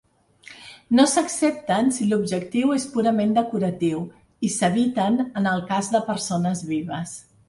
No s'accepten si l'objectiu és purament decoratiu i s'eviten en el cas de persones vives.